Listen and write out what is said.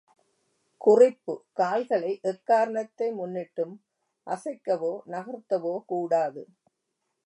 குறிப்பு கால்களை எக்காரணத்தை முன்னிட்டும் அசைக்கவோ நகர்த்தவோ கூடாது.